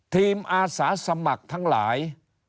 อาสาสมัครทั้งหลาย